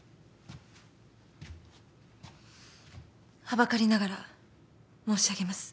はばかりながら申し上げます。